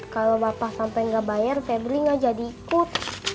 kalau bapak sampai nggak bayar febri gak jadi ikut